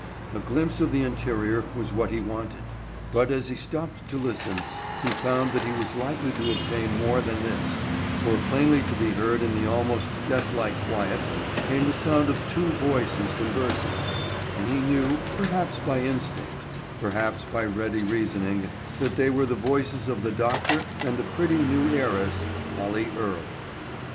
A glimpse of the interior was what he wanted, but, as he stopped to listen, he found that he was likely to obtain more than this, for plainly to be heard in the almost death like quiet, came the sound of two voices conversing, and he knew, perhaps by instinct, perhaps by ready reasoning, that they were the voices of the doctor and the pretty new heiress, Polly Earle.